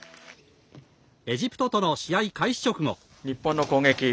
エジプトとの試合開始直後。